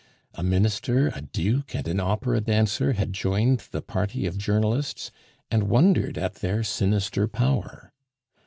A minister, a duke, and an opera dancer had joined the party of journalists, and wondered at their sinister power.